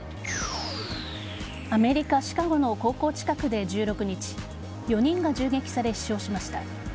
アメリカ・シカゴの高校近くで１６日４人が銃撃され、死傷しました。